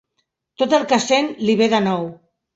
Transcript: Tot el que sent li ve de nou.